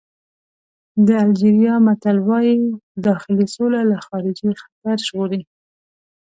د الجېریا متل وایي داخلي سوله له خارجي خطر ژغوري.